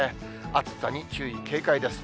暑さに注意、警戒です。